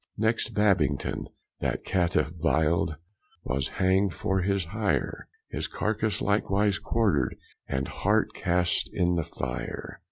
Next Babington, that caitife vilde, Was hanged for his hier; His carcasse likewise quartered, And hart cast in the fier.